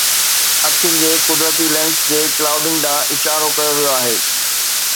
اکين جي قدرتي لينس جي ڪلائوڊنگ ڏانهن اشارو ڪيو ويو آهي